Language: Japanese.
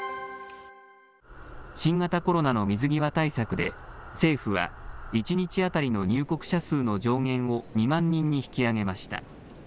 新型コロナの水際対策で、政府は、１日当たりの入国者数の上限を２万人に引き上げました。